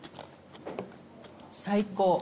最高。